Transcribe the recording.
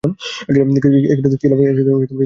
কি লাভ এসব করে?